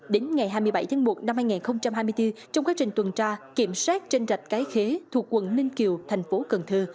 đến ngày hai mươi bảy tháng một năm hai nghìn hai mươi bốn trong quá trình tuần tra kiểm soát trên rạch cái khế thuộc quận ninh kiều thành phố cần thơ